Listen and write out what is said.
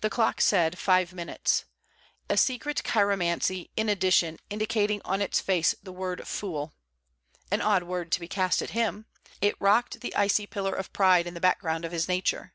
The clock said, Five minutes: a secret chiromancy in addition indicating on its face the word Fool. An odd word to be cast at him! It rocked the icy pillar of pride in the background of his nature.